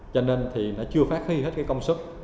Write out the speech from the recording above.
cho nên thì nó chưa phát huy hết cái công sức